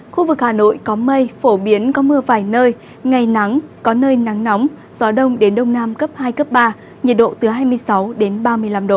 khu vực hà nội có mây phổ biến có mưa vài nơi ngày nắng có nơi nắng nóng gió đông đến đông nam cấp hai cấp ba nhiệt độ từ hai mươi sáu đến ba mươi năm độ